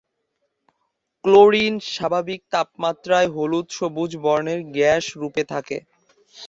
Chlorine স্বাভাবিক তাপমাত্রায় হলুদ-সবুজ বর্নের গ্যাস রূপে থাকে।